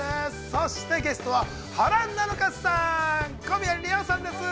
そしてゲストは、原菜乃華さん、小宮璃央さんです。